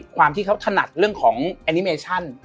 ความที่เขาถนัดเรื่องของแอนิเมชั่น